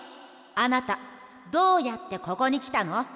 あなたどうやってここにきたの？